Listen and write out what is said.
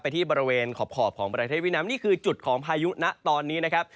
ที่บริเวณขอบของประเทศเวียดนามนี่คือจุดของพายุนะตอนนี้นะครับ